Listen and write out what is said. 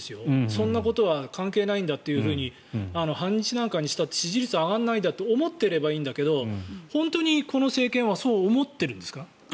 そんなことは関係ないんだというふうに反日なんかしても支持率上がらないんだと思っていたらいいけど本当にこの政権はそう思っているんですか。